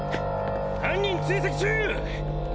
犯人追跡中！